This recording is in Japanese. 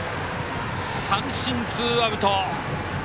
三振、ツーアウト。